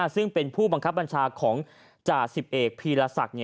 ซึ่งเป็นผู้บังคับบัญชาของจากสิบเอกพิราษัท